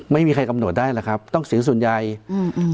ไม่มีใครกำหนดได้หรอกครับต้องซื้อส่วนใหญ่อืม